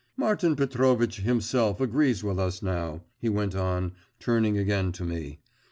'Martin Petrovitch himself agrees with us now,' he went on, turning again to me.